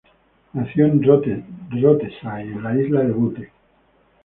Nació en Rothesay, en la Isla de Bute.